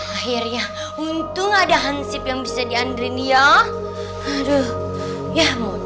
akhirnya untung ada hansip yang bisa diandriin ya aduh ya mau